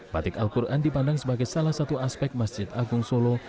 batik al quran dipandang sebagai salah satu aspek masjid agung solo